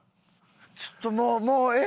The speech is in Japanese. ちょっともうもうええ